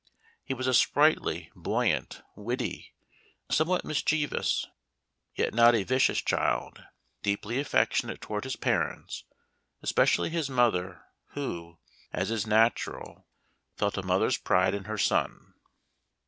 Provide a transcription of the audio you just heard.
He was a sprightly, buoyant, witty, somewhat mischievous, yet not a vicious child, deeply affectionate toward his parents, especially his mother, who, as is natural, felt a mother's 1 6 Memoir of Washington Irving. pride in her son.